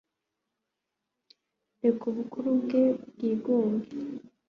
Reka ubukuru bwe bwigunge